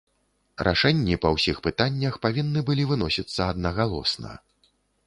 Рашэнні па ўсіх пытаннях павінны былі выносіцца аднагалосна.